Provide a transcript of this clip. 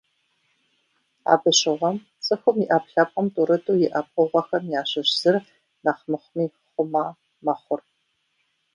Абы щыгъуэм, цӏыхум и ӏэпкълъпкъым тӏурытӏу иӏэ пкъыгъуэхэм ящыщ зыр нэхъ мыхъуми, хъума мэхъур.